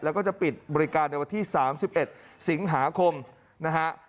แล้วก็จะปิดบริการในวันที่๓๑สิงหาคมนะฮะ